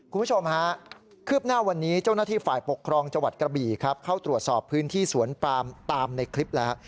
คุณผู้ชมฮะคืบหน้าวันนี้เจ้าหน้าที่ฝ่ายปกครองจังหวัดกระบี่ครับเข้าตรวจสอบพื้นที่สวนปามตามในคลิปแล้ว